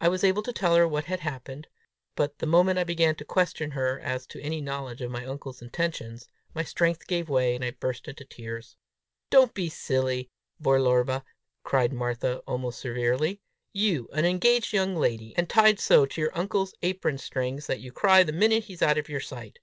I was able to tell her what had happened; but the moment I began to question her as to any knowledge of my uncle's intentions, my strength gave way, and I burst into tears. "Don't be silly, Belorba!" cried Martha, almost severely. "You an engaged young lady, and tied so to your uncle's apron strings that you cry the minute he's out of your sight!